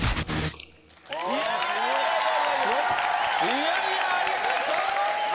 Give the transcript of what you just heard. いやいやありがとうございました！